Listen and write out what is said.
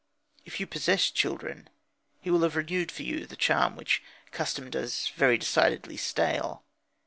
If you possess children, he will have renewed for you the charm which custom does very decidedly stale.